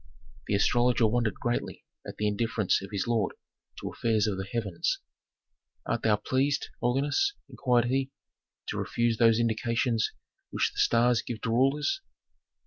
The astrologer wondered greatly at the indifference of his lord to affairs of the heavens. "Art thou pleased, holiness," inquired he, "to refuse those indications which the stars give to rulers?"